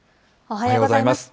おはようございます。